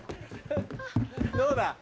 どうだ？